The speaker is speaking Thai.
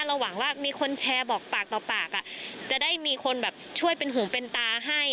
หวังว่ามีคนแชร์บอกปากต่อปากจะได้มีคนแบบช่วยเป็นหูเป็นตาให้